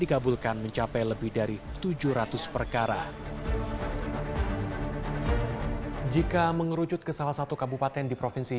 dikabulkan mencapai lebih dari tujuh ratus perkara jika mengerucut ke salah satu kabupaten di provinsi